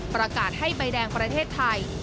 ประกาศให้ใบแดงประเทศไทย